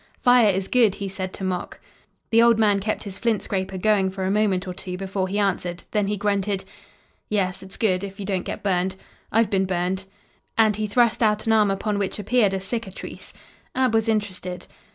"Fire is good!" he said to Mok. The old man kept his flint scraper going for a moment or two before he answered; then he grunted: "Yes, it's good if you don't get burned. I've been burned," and he thrust out an arm upon which appeared a cicatrice. Ab was interested.